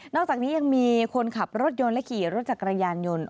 อกจากนี้ยังมีคนขับรถยนต์และขี่รถจักรยานยนต์